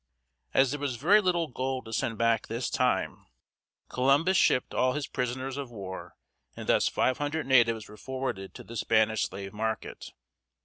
As there was very little gold to send back this time, Columbus shipped all his prisoners of war, and thus five hundred natives were forwarded to the Spanish slave market.